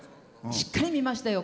しっかり見ましたよ。